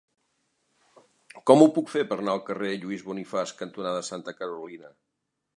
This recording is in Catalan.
Com ho puc fer per anar al carrer Lluís Bonifaç cantonada Santa Carolina?